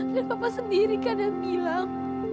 dan saya sendiri yang bilang